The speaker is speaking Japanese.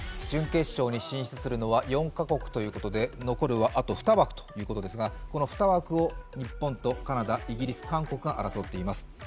準決勝に進出するのは４カ国ということで、残りはあと２枠ということですが、この２枠を日本とカナダ、イギリス、韓国が争っています。